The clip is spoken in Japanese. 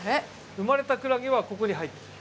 生まれたクラゲはここに入ってる。